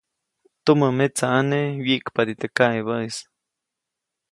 Tumämetsaʼane wyiʼkpadi teʼ kaʼebäʼis.